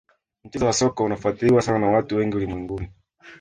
mchezo wa soka unafuatiliwa sana na watu wengi ulimwenguni